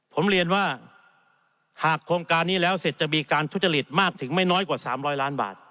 ผมเรียนว่าหากโครงการนี้แล้วเสร็จจะมีการทุจริตมากถึงไม่น้อยกว่า๓๐๐ล้านบาท